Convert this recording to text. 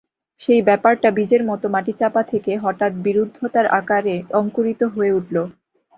সেই ব্যাপারটা বীজের মতো মাটি চাপা থেকে হঠাৎ বিরুদ্ধতার আকারে অঙ্কুরিত হয়ে উঠল।